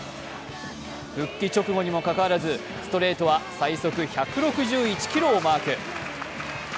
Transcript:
復帰直後にもかかわらずストレートは最速１６１キロをマーク。